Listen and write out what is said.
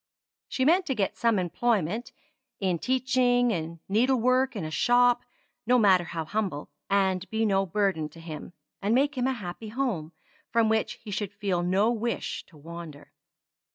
She meant to get some employment in teaching in needlework in a shop no matter how humble and be no burden to him, and make him a happy home, from which he should feel no wish to wander.